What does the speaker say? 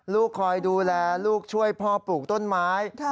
คอยดูแลลูกช่วยพ่อปลูกต้นไม้